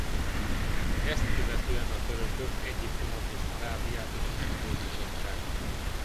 Ezt követően a törökök Egyiptomot és Arábiát is meghódították.